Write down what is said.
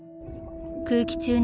［空気中の］